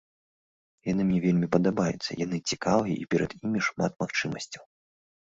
Яны мне вельмі падабаюцца, яны цікавыя і перад імі шмат магчымасцяў.